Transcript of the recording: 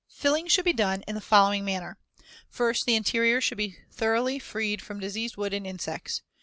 ] Filling should be done in the following manner: First, the interior should be thoroughly freed from diseased wood and insects.